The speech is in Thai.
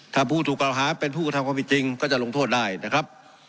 ถ้าผู้ถูกกล่าวหาเป็นผู้กระทำความผิดจริงก็จะลงโทษได้นะครับ